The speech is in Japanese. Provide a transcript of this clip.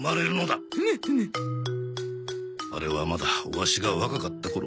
あれはまだワシが若かった頃。